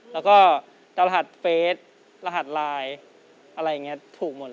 แล้วก็เดารหัสเฟซรหัสไลน์ถูกหมดเลย